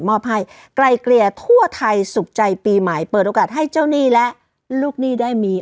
อบให้ไกลเกลี่ยทั่วไทยสุขใจปีใหม่เปิดโอกาสให้เจ้าหนี้และลูกหนี้ได้มี